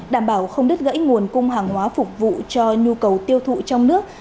đảm bảo không đứt gãy nguồn cung hàng hóa phục vụ cho nhu cầu tiêu thụ trong nước